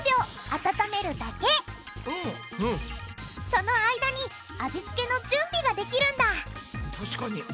その間に味付けの準備ができるんだ確かに。